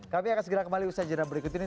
kami akan segera kembali usaha jadwal berikut ini